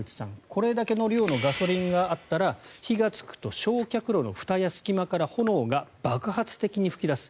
これだけの量のガソリンがあったら火がつくと焼却炉のふたや隙間から炎が爆発的に噴き出す。